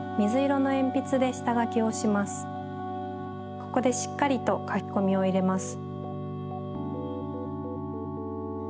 ここでしっかりとかきこみをいれます。